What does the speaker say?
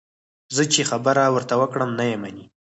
زه چې خبره ورته وکړم، نه یې مني.